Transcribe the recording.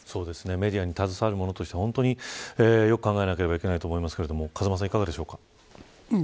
メディアに携わる者としてよく考えなければいけないと思いますが風間さん、いかがでしょうか。